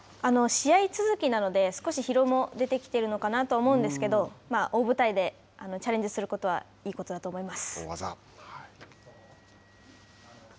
試合続きなので、少し疲労も出てきているのかなと思うんですけれども、大舞台でチャレンジすることは、いいことだと思います。